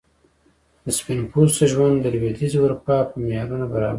د سپین پوستو ژوند د لوېدیځي اروپا په معیارونو برابر و.